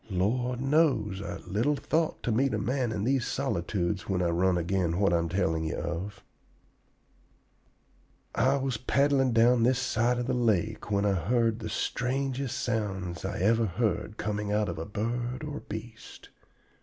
Lord knows I little thought to meet a man in these solitudes when I run agin what I am telling ye of. "I was paddling down this side of the lake when I heard the strangest sounds I ever heard coming out of a bird or beast.